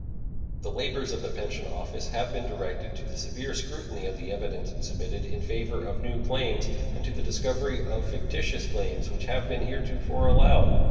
The labors of the Pension Office have been directed to the severe scrutiny of the evidence submitted in favor of new claims and to the discovery of fictitious claims which have been heretofore allowed.